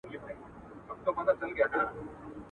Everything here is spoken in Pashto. ویل ګوره چي ګنجی سر دي نیولی.